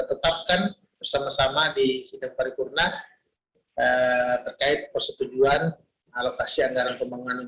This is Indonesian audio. tetapkan bersama sama di sidang paripurna terkait persetujuan alokasi anggaran pembangunan